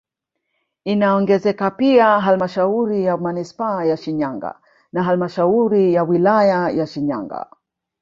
Inaongezeka pia halmashauri ya manispaa ya Shinyanga na halmasdhauri ya wilaya ya Shinyanga